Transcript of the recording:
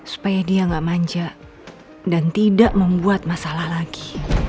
supaya dia nggak manja dan tidak membuat masalah lagi